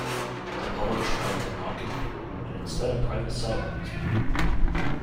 The public trial did not go through, and instead a private settlement was made.